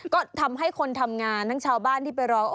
ก็ทำให้คนทำงานทั้งชาวบ้านที่ไปร้อง